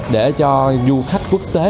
để cho du khách quốc tế